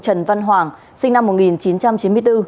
trần văn hoàng sinh năm một nghìn chín trăm chín mươi bốn